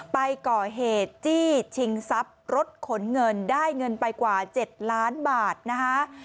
ไปก่อเหตุจี้ชิงทรัพย์รถขนเงินได้เงินไปกว่า๗ล้านบาทนะคะ